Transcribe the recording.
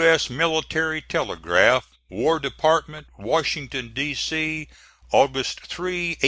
S. MILITARY TELEGRAPH, WAR DEPARTMENT, WASHINGTON, D. C., August 3, 1864.